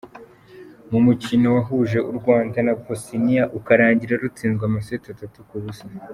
Mu mukino wahuje u Rwanda na Bosnia ukarangira rutsinzwe amaseti atatu ku busa.